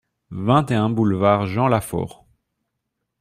vingt et un boulevard Jean Lafaure